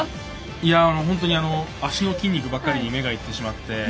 本当に足の筋肉ばかりに目がいってしまって。